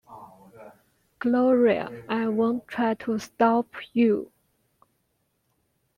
Gloria, I won't try to stop you!